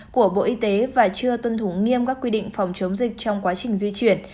của bộ y tế và chưa tuân thủ nghiêm các quy định phòng chống dịch trong quá trình di chuyển